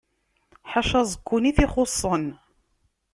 Ḥaca aẓekkun i t-ixuṣṣen.